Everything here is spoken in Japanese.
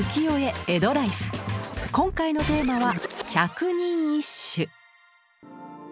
今回のテーマは「百人一首」。